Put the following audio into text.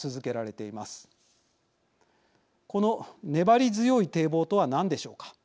この「粘り強い堤防」とは何でしょうか。